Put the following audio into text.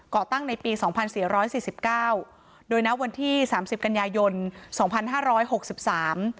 ตั้งในปีสองพันสี่ร้อยสี่สิบเก้าโดยณวันที่สามสิบกันยายนสองพันห้าร้อยหกสิบสาม